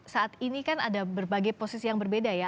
saat ini kan ada berbagai posisi yang berbeda ya